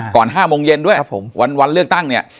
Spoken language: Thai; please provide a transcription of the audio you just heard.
ก่อน๕โมงเย็นด้วยเวลาเลือกตั้ง